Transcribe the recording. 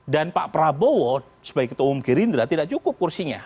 dan pak prabowo sebagai ketua umum gerindra tidak cukup kursinya